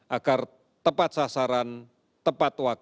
agar tepat sasaran tepat waktu dan tepat keadaan